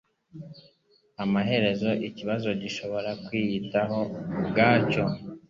Amaherezo ikibazo gishobora kwiyitaho ubwacyo